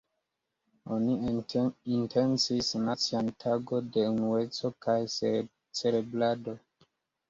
Oni intencis nacian tagon de unueco kaj celebrado.